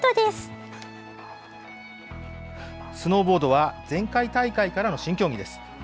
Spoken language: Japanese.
スノーボードは前回大会からの新競技です。